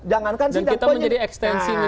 dan kita menjadi ekstensi publik